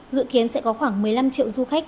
dự kiến sẽ có khoảng một mươi năm triệu du khách